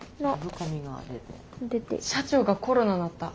社長がコロナなった。